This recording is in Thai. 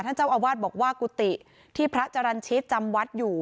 เจ้าอาวาสบอกว่ากุฏิที่พระจรรย์ชิตจำวัดอยู่